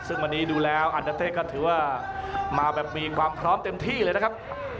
ซึ่งวันนี้ดูแล้วอันดาเต้ก็ถือว่ามาแบบมีความพร้อมเต็มที่เลยนะครับ